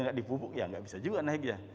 tidak dipupuk ya tidak bisa juga naik ya